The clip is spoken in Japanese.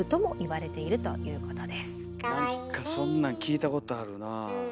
何かそんなん聞いたことあるなあ。